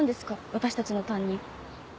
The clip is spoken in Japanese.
私たちの担任。